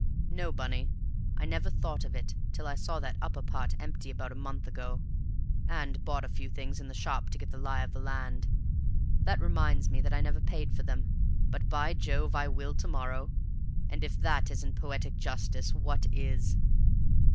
"No, Bunny, I never thought of it till I saw that upper part empty about a month ago, and bought a few things in the shop to get the lie of the land. That reminds me that I never paid for them; but, by Jove, I will to morrow, and if that isn't poetic justice, what is?